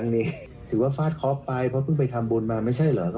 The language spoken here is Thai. มีลูกมากเอาไปฟังหน่อย